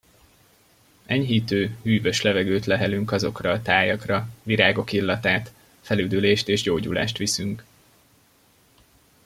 Enyhítő, hűvös levegőt lehelünk azokra a tájakra, virágok illatát, felüdülést és gyógyulást viszünk.